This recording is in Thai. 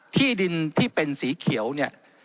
ที่ดินที่เป็นสีเขียวเนี่ย